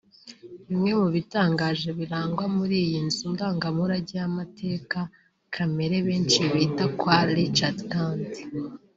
Bimwe mu bitangaje birangwa muri iyi nzu ndangamurage y’amateka kamere benshi bita kwa ‘Richard Kandt’